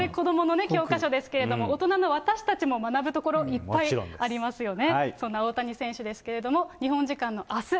これ、子どもの教科書ですけれども、大人の私たちも学ぶところ、いっぱいありますよね。